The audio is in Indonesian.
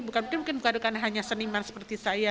bukan mungkin mungkin keadukan hanya seniman seperti saya